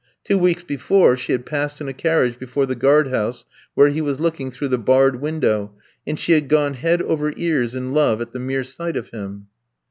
Two weeks before she had passed in a carriage before the guard house, where he was looking through the barred window, and she had gone head over ears in love at the mere sight of him.